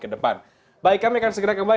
ke depan baik kami akan segera kembali